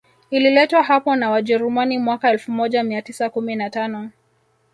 Ililetwa hapo na Wajerumani mwaka elfu moja mia tisa kumi na tano